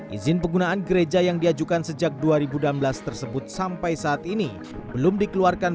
izin penggunaan gereja yang diajukan sejak dua ribu enam belas tersebut sampai saat ini belum dikeluarkan